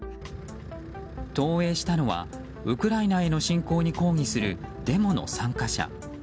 投影したのはウクライナへの侵攻に抗議するデモの参加者。